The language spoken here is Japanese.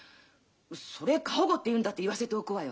それを過保護って言うんだったら言わせておくわよ。